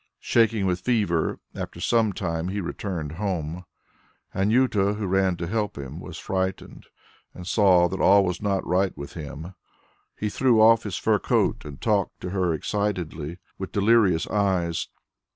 Shaking with fever, after some time he returned home. Anjuta, who ran to help him, was frightened and saw that all was not right with him. He threw off his fur coat and talked to her excitedly, with delirious eyes.